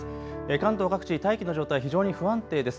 関東各地、大気の状態、非常に不安定です。